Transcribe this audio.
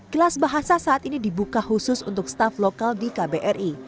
kelas bahasa saat ini dibuka khusus untuk staff lokal di kbri